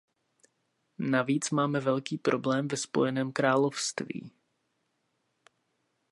Navíc máme velký problém ve Spojeném království.